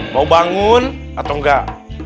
mau bangun atau enggak